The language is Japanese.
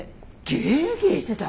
げーげーしてた。